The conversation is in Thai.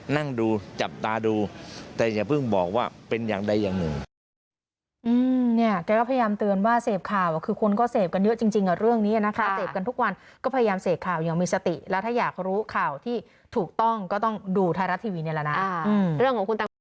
นั่งดูจับตาดูแต่อย่าเพิ่งบอกว่าเป็นอย่างใดอย่างหนึ่ง